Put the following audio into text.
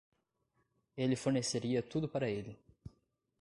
Ele forneceria tudo para ele.